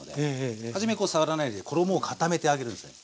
はじめ触らないで衣を固めてあげるんですね。